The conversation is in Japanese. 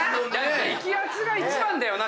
激熱が一番だよな